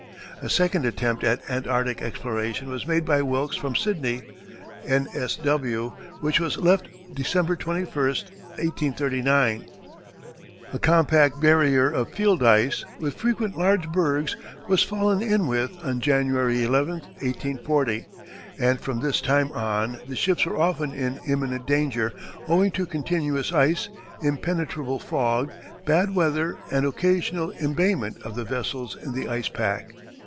A second attempt at Antarctic exploration was made by Wilkes from Sidney, N. S. W., which was left December 21, 1839. A compact barrier of field ice, with frequent large bergs, was fallen in with on January 11, 1840, and from this time on the ships were often in imminent danger owing to continuous ice, impenetrable fog, bad weather, and occasional embayment of the vessels in the ice pack.